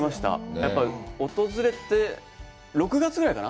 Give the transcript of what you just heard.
やっぱ、訪れて、６月ぐらいかな？